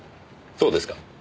そうですが。